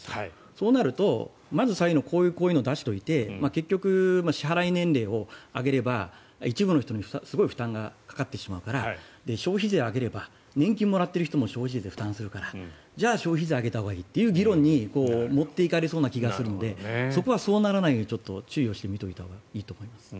そうなると、まず最初にこういうのを出しておいて結局、支払年齢を上げれば一部の人にすごい負担がかかってしまうから消費税を上げれば年金をもらっている人も消費税を負担するからじゃあ、消費税を上げたほうがいいという議論に持っていかれそうな気がするのでそこはそうならないようにちょっと注意をして見ておいたほうがいいと思います。